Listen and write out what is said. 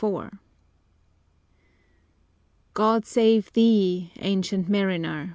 IV "God save thee, ancient Mariner!